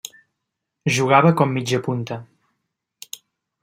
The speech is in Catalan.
Jugava com mitjapunta.